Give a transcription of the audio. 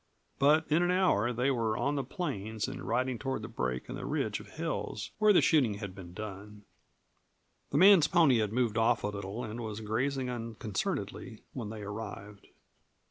But in an hour they were on the plains and riding toward the break in the ridge of hills, where the shooting had been done. The man's pony had moved off a little and was grazing unconcernedly when they arrived.